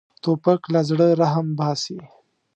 توپک له زړه رحم باسي.